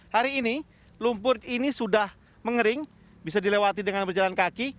hari ini lumpur ini sudah mengering bisa dilewati dengan berjalan kaki